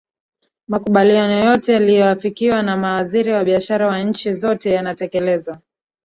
Makubaliano yote yaliyoafikiwa na mawaziri wa Biashara wa nchi zote yanatekelezwa